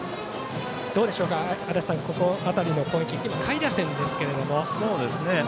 どうでしょう、足達さんこの辺りの攻撃下位打線ですけれども。